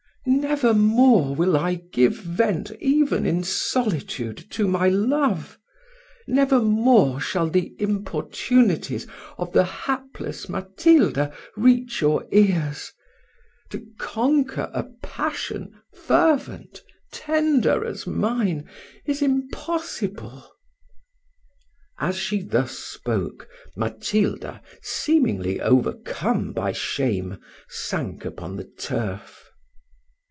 "Never more will I give vent, even in solitude, to my love never more shall the importunities of the hapless Matilda reach your ears. To conquer a passion fervent, tender as mine, is impossible." As she thus spoke, Matilda, seemingly overcome by shame, sank upon the turf.